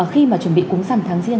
khi mà chuẩn bị cúng giảm tháng riêng